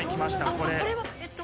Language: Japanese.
これは。えっと。